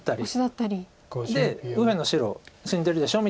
で右辺の白死んでるでしょ？